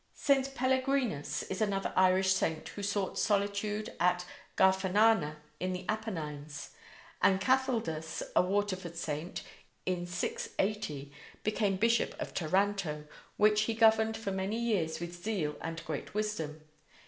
St. Pellegrinus is another Irish saint who sought solitude at Garfanana in the Apennines; and Cathaldus, a Waterford saint, in 680, became Bishop of Taranto, which he governed for many years with zeal and great wisdom.